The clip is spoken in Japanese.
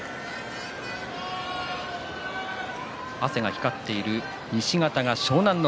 汗が光っている西方が湘南乃